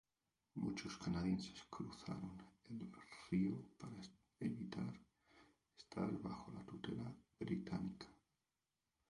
Muchos canadienses cruzaron el río para evitar estar bajo la tutela británica.